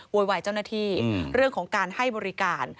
โวยวายเจ้าหน้าที่เรื่องของการให้บริการ